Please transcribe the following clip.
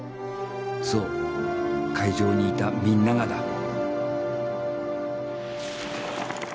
そう会場にいたみんながだ。